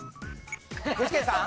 具志堅さん？